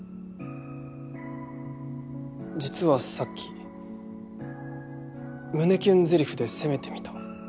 実はさっき胸キュンゼリフで攻めてみた。